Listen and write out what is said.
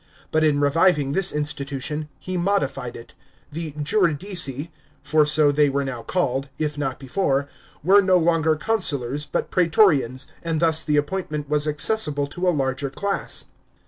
But in reviving this institution, he modified it. The juridici — for so they were now called, if not before — were no longer consulars, but praetorians, and thus the appointment was accessible to a larger class.